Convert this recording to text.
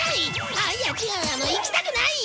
ああいや違うあの行きたくない！